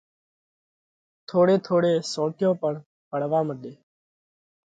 ٿوڙي ٿوڙي سونٽيون پڻ پڙوا مڏي۔